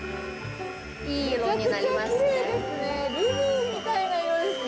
いい色になりますね。